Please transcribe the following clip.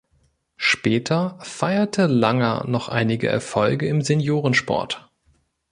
Später feierte Langer noch einige Erfolge im Seniorensport.